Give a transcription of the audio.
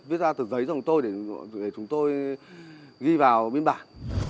viết ra từ giấy cho chúng tôi để chúng tôi ghi vào biến bản